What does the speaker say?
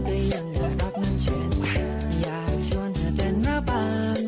ก็ยังอยู่รักมันเช่นอยากชวนเธอเดินระบัน